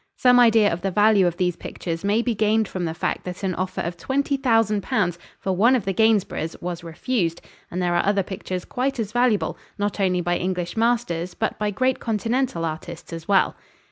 Some idea of the value of these pictures may be gained from the fact that an offer of twenty thousand pounds for one of the Gainsboroughs was refused; and there are other pictures quite as valuable, not only by English masters, but by great continental artists as well.